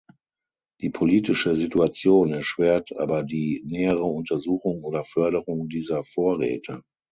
Die politische Situation erschwert aber die nähere Untersuchung oder Förderung dieser Vorräte.